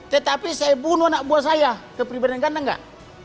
tetapi saya bunuh anak buah saya kepribadian ganda enggak